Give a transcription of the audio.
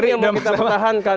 kita sudah menahankan